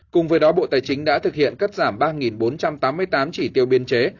cùng với đó bộ tài chính đã thực hiện cắt giảm ba bốn trăm tám mươi tám chỉ tiêu biên chế